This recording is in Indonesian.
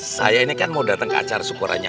saya ini kan mau datang ke acara syukurannya